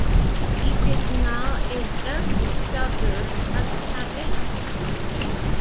It is now a wealthy suburb of Paris.